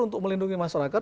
untuk melindungi masyarakat